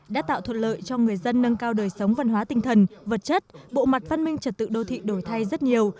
đã tạo thuận lợi cho người dân nâng cao đời sống văn hóa tinh thần vật chất bộ mặt văn minh trật tự đô thị đổi thay rất nhiều